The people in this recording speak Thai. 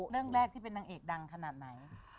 เรื่องแรกที่เป็นนางเอกดังขนาดไหน